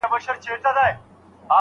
زړه مې په لاسونو کې راونغاړه